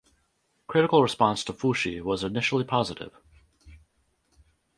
Critical response to Fushi was initially positive.